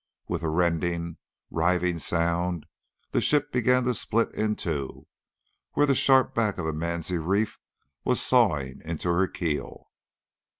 With a rending, riving sound the ship began to split in two, where the sharp back of the Mansie reef was sawing into her keel.